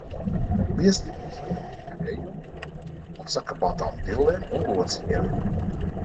Biezpienu sajauc ar krējumu un sakapātām dillēm un lociņiem.